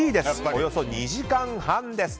およそ２時間半です。